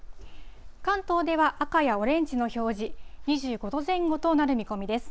関東では赤やオレンジの表示、２５度前後となる見込みです。